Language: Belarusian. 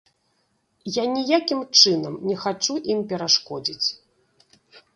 Я ніякім чынам не хачу ім перашкодзіць.